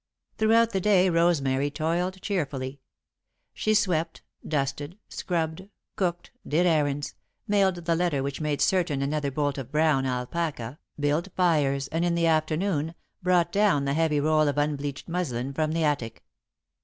Throughout the day Rosemary toiled cheerfully. She swept, dusted, scrubbed, cooked, did errands, mailed the letter which made certain another bolt of brown alpaca, built fires, and, in the afternoon, brought down the heavy roll of unbleached muslin from the attic.